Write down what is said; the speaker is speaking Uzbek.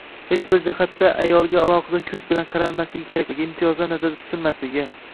hech bir jihatda ayolga alohida ko‘z bilan qaralmasligi kerakligi, imtiyozlar nazarda tutilmasligi